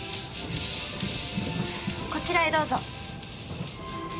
こちらへどうぞ。